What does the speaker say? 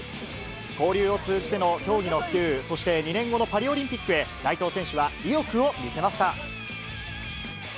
交流を通じての競技の普及、そして２年後のパリオリンピックへ、内藤選手は意欲を見せました。